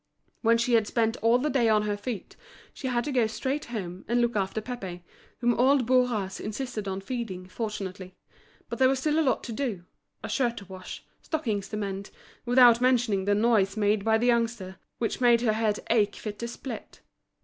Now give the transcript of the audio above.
When she had spent all the day on her feet, she had to go straight home, and look after Pépé, whom old Bourras insisted on feeding, fortunately; but there was still a lot to do: a shirt to wash, stockings to mend; without mentioning the noise made by the youngster, which made her head ache fit to split.